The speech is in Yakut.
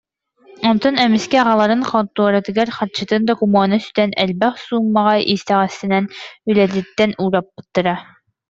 Онтон эмискэ аҕаларын хонтуоратыгар харчытын докумуона сүтэн, элбэх суумаҕа итэҕэстэнэн, үлэтиттэн уураппыттара